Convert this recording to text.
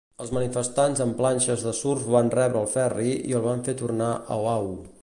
Els manifestants amb planxes de surf van rebre el ferri i el van fer tornar a Oahu.